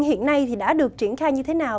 hiện nay thì đã được triển khai như thế nào